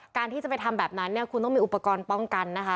การที่จะไปทำแบบนั้นเนี่ยคุณต้องมีอุปกรณ์ป้องกันนะคะ